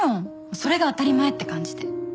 それが当たり前って感じで。